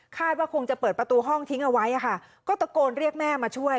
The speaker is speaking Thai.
ว่าคงจะเปิดประตูห้องทิ้งเอาไว้ค่ะก็ตะโกนเรียกแม่มาช่วย